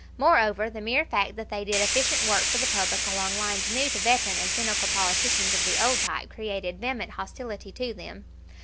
Moreover, the mere fact that they did efficient work for the public along lines new to veteran and cynical politicians of the old type created vehement hostility to them.